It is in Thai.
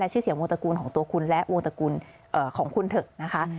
ชื่อเสียงวงตระกูลของตัวคุณและวงตระกูลของคุณเถอะนะคะ